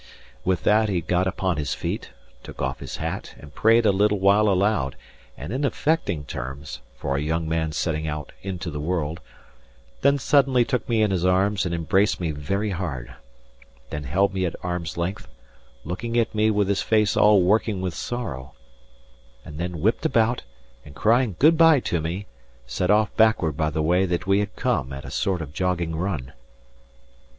With that he got upon his feet, took off his hat, and prayed a little while aloud, and in affecting terms, for a young man setting out into the world; then suddenly took me in his arms and embraced me very hard; then held me at arm's length, looking at me with his face all working with sorrow; and then whipped about, and crying good bye to me, set off backward by the way that we had come at a sort of jogging run.